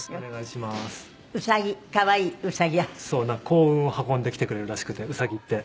幸運を運んできてくれるらしくてウサギって。